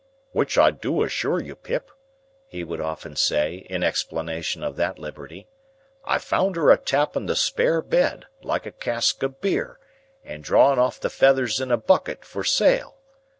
"Which I do assure you, Pip," he would often say, in explanation of that liberty; "I found her a tapping the spare bed, like a cask of beer, and drawing off the feathers in a bucket, for sale.